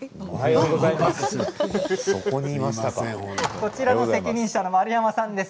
こちらの責任者の丸山さんです。